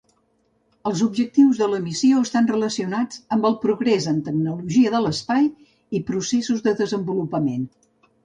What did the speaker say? Els objectius de la missió estan relacionats amb el progrés en tecnologia de l'espai i processos de desenvolupament.